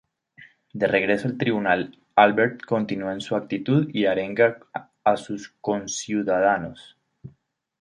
De regreso al tribunal, Albert continúa en su actitud y arenga a sus conciudadanos.